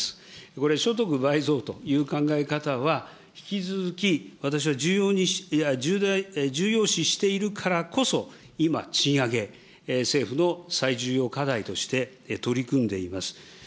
これ、所得倍増という考え方は、引き続き、私は重要視しているからこそ、今、賃上げ、政府の最重要課題として取り組んでいます。